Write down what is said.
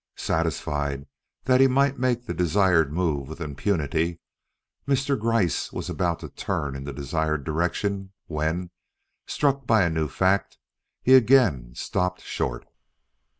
Satisfied that he might make the desired move with impunity, Mr. Gryce was about to turn in the desired direction when, struck by a new fact, he again stopped short.